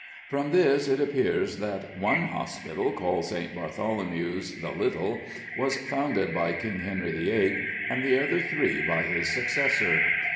From this it appears that "one Hospital, called St. Bartholomew's the little," was founded by King Henry VIII., and the other three by his successor.